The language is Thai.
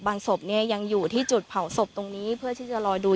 ศพเนี่ยยังอยู่ที่จุดเผาศพตรงนี้เพื่อที่จะรอดู